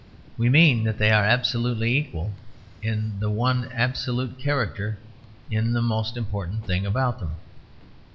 We mean that they are absolutely equal in their one absolute character, in the most important thing about them.